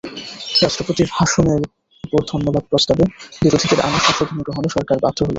রাষ্ট্রপতির ভাষণের ওপর ধন্যবাদ প্রস্তাবে বিরোধীদের আনা সংশোধনী গ্রহণে সরকার বাধ্য হলো।